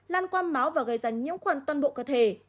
lan qua máu và gây ranh nhiễm khuẩn toàn bộ cơ thể